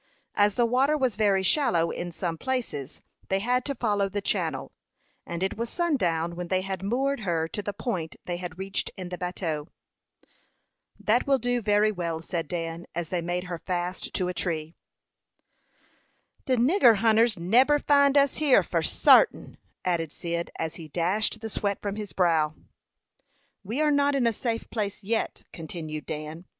As the water was very shallow in some places, they had to follow the channel; and it was sundown when they had moored her to the point they had reached in the bateau. "That will do very well," said Dan, as they made her fast to a tree. "De nigger hunters neber find us here, for sartin," added Cyd, as he dashed the sweat from his brow. "We are not in a safe place yet," continued Dan.